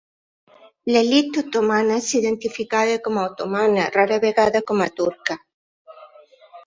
L'elit otomana s'identificava com a otomana, rara vegada com a turca.